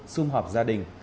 xung hợp gia đình